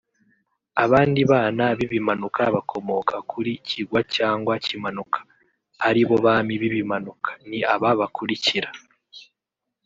Abandi bana b’Ibimanuka bakomoka kuri Kigwa cyangwa Kimanuka (ari bo Bami b’Ibimanuka) ni aba bakurikira